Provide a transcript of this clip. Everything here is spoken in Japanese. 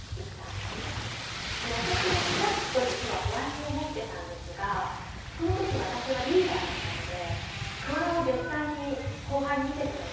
で私もチラッと実は不安に思ってたんですがその時私はリーダーだったので不安を絶対に後輩に見せてはいけないなと思ったんです。